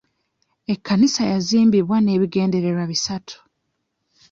Ekkanisa yazimbibwa n'ebigendererwa bisatu.